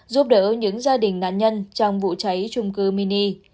giúp đỡ những gia đình nạn nhân trong vụ cháy trung cư mini